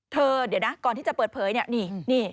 เธอเดี๋ยวนะก่อนที่จะเปิดเผยเนี่ยนี่